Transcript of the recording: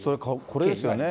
これですよね。